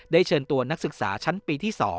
เชิญตัวนักศึกษาชั้นปีที่๒